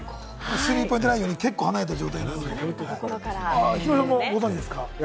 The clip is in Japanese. スリーポイントラインより結構、離れたところです。